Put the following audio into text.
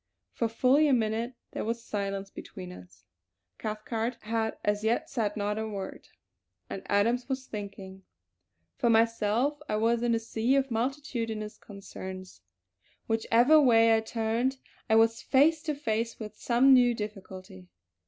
For fully a minute there was silence between us. Cathcart had as yet said not a word, and Adams was thinking. For myself I was in a sea of multitudinous concerns; whichever way I turned I was face to face with some new difficulty.